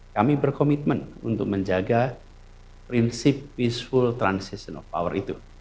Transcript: kami berkomitmen untuk menjaga prinsip peaceful transition of power itu